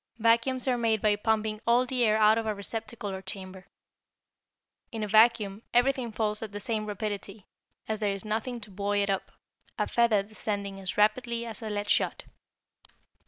Vacuums are made by pumping all the air out of a receptacle or chamber. In a vacuum, everything falls at the same rapidity, as there is nothing to buoy it up, a feather descending as rapidly as lead shot.